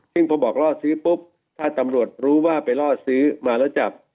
ซึ่งพอบอกล่อซื้อปุ๊บถ้าตำรวจรู้ว่าไปล่อซื้อมาแล้วจับ